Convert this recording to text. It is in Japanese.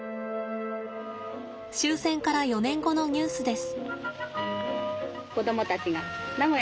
終戦から４年後のニュースです。